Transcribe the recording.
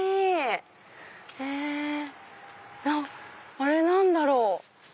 あれ何だろう？